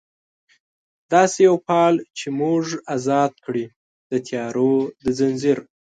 داسي یو فال چې موږ ازاد کړي، د تیارو د ځنځیر